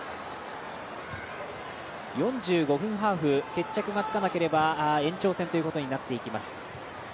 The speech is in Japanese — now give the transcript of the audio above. ４５分ハーフ、決着がつかなければ延長戦ということになってきます。